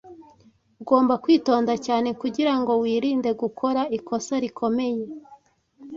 Ugomba kwitonda cyane kugirango wirinde gukora ikosa rikomeye.